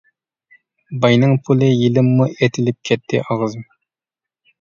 باينىڭ پۇلى يىلىممۇ، ئېتىلىپ كەتتى ئاغزىم.